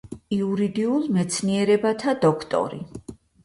იურიდიულ მეცნიერებათა დოქტორი.